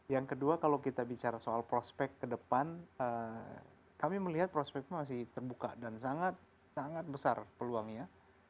yang kedua kalau kita bicara soal prospek ke depan kami melihat prospek masih terbuka dan sangat besar peluangnya